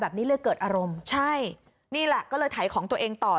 แล้วอีกครั้งนี้ครั้งแรกเหรอ